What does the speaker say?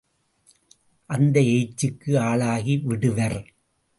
அந்த ஏச்சுக்கு ஆளாகி விடுவர்.